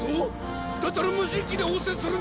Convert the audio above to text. だったら無人機で応戦するんだ！